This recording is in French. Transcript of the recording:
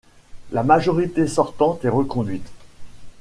La majorité sortante est reconduite.